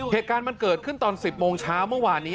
เหตุการณ์มันเกิดขึ้นตอน๑๐โมงเช้าเมื่อวานนี้